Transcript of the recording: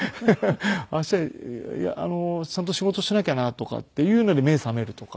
明日ちゃんと仕事しなきゃなとかっていうので目覚めるとか。